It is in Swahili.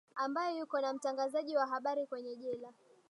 ambaye yuko na mtangazaji wa habari kwenye jela